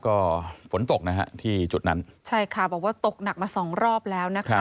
ก็ฝนตกนะฮะที่จุดนั้นใช่ค่ะบอกว่าตกหนักมาสองรอบแล้วนะคะ